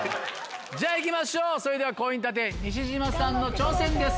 じゃあ行きましょうそれではコイン立て西島さんの挑戦です。